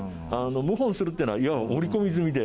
謀反するっていうのはいわば織り込み済みで。